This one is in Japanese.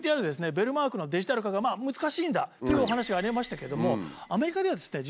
ベルマークのデジタル化が難しいんだというお話がありましたけれども。